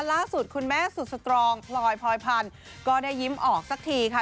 ล่าสุดคุณแม่สุดสตรองพลอยพลอยพันธุ์ก็ได้ยิ้มออกสักทีค่ะ